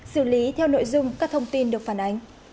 xử lý theo nội dung các thông tin được phản ánh